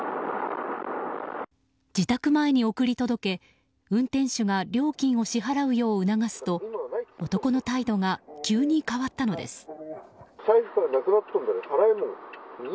自宅前に送り届け運転手が料金を支払うよう促すと男の態度が急に変わったのです。